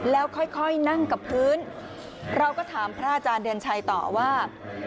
แล้วค่อยนั่งกับพื้นเราก็ถามพระอาจารย์เดือนชัยต่อว่า